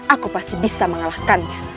aku pasti bisa mengalahkannya